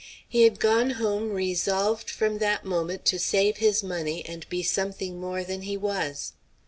He had gone home resolved from that moment to save his money, and be something more than he was.